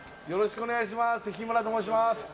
よろしくお願いします